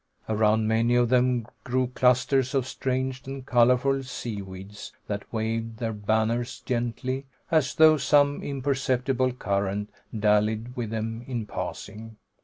Around many of them grew clusters of strange and colorful seaweeds that waved their banners gently, as though some imperceptible current dallied with them in passing.